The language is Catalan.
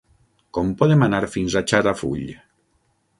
Com podem anar fins a Xarafull?